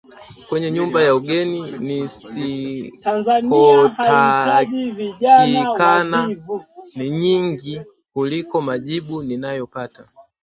kwenye nyumba ya ugeni nisikotakikana ni nyingi kuliko majibu ninayopata